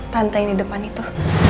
tante yang di depan itu